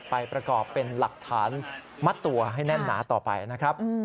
ประกอบเป็นหลักฐานมัดตัวให้แน่นหนาต่อไปนะครับ